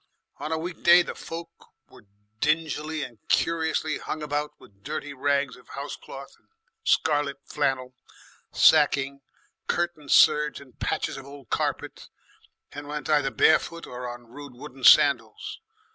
On a weekday the folk were dingily and curiously hung about with dirty rags of housecloth and scarlet flannel, sacking, curtain serge, and patches of old carpet, and went either bare footed or on rude wooden sandals.